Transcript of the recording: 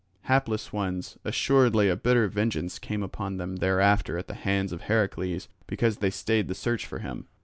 Hapless ones, assuredly a bitter vengeance came upon them thereafter at the hands of Heracles, because they stayed the search for him.